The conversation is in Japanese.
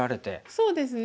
そうですね。